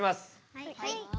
はい。